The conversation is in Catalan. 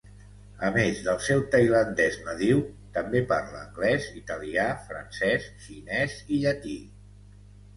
A més del seu tailandès nadiu, també parla anglès, italià, francès, xinès i llatí.